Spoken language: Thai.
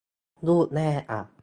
รูปแย่อ่ะ